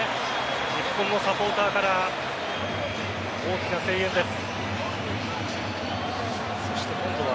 日本のサポーターから大きな声援です。